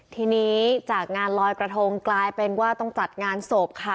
ทีนี้จากงานลอยกระทงกลายเป็นว่าต้องจัดงานศพค่ะ